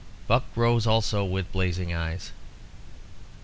Buck rose also with blazing eyes.